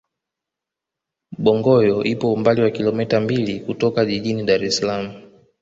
bongoyo ipo umbali wa kilomita mbili kutoka jijini dar es salaam